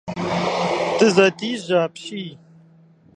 Дызэдижьэ апщий!